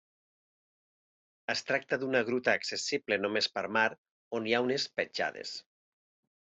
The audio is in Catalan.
Es tracta d'una gruta accessible només per mar on hi ha unes petjades.